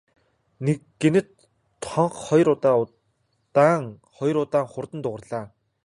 Гэнэт хонх хоёр удаа удаан, хоёр удаа хурдан дуугарлаа.